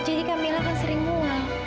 jadi kamilah kan sering mual